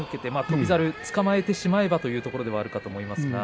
翔猿をつかまえてしまえばというところではあると思います。